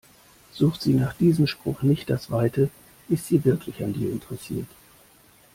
Sucht sie nach diesem Spruch nicht das Weite, ist sie wirklich an dir interessiert.